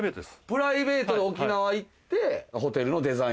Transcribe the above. プライベートで沖縄行って。